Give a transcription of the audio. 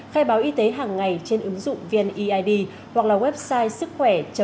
khai báo y tế hàng ngày trên ứng dụng vneid hoặc là website sức khỏe